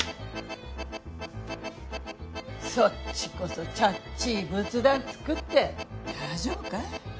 そっちこそちゃっちい仏壇作って大丈夫かい？